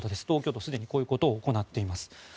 東京都、すでにこういうことを行っています。